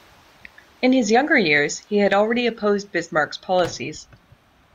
In his younger years he had already opposed Bismarck's policies.